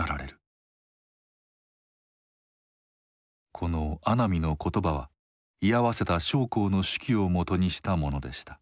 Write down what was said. この阿南の言葉は居合わせた将校の手記をもとにしたものでした。